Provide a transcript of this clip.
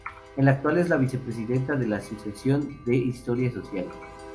En la actualidad es la vicepresidenta de la Asociación de Historia Social.